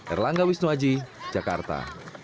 erlangga wisnuaji jakarta